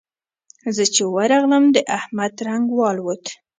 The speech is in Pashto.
زه چې ورغلم؛ د احمد رنګ والوت.